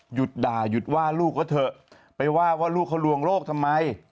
หยุดด่าหยุดว่าลูกก็เถอะไปว่าว่าลูกเขาลวงโรคทำไม